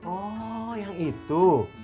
oh yang itu